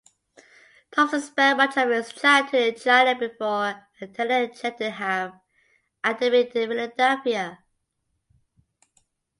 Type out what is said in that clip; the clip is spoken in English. Thomson spent much of his childhood in China before attending Cheltenham Academy in Philadelphia.